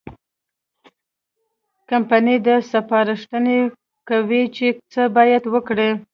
کمپنۍ ته سپارښتنې کوي چې څه باید وکړي.